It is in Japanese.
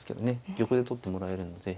玉で取ってもらえるので。